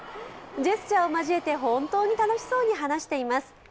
ジェスチャーを交えて、本当に楽しそうに話しています。